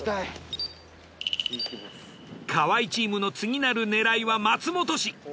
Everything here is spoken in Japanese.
河合チームの次なる狙いは松本市。